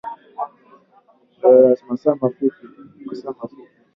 Idhaa ilianza miaka sitini iliyopita ilikua inatumia mitambo ya masafa mafupi